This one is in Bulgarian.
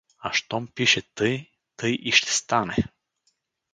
А щом пише тъй, тъй и ще стане.